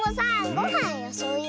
ごはんよそうよ。